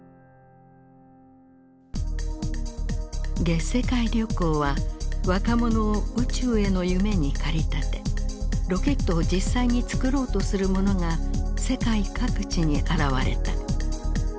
「月世界旅行」は若者を宇宙への夢に駆り立てロケットを実際に作ろうとする者が世界各地に現れた。